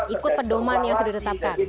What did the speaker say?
ikut pedoman yang sudah ditetapkan